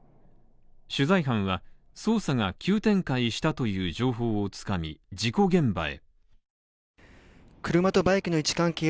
取材班は、捜査が急展開したという情報をつかみ、事故現場へ。